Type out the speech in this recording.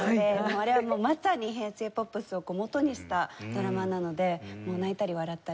あれはもうまさに平成ポップスを基にしたドラマなのでもう泣いたり笑ったり。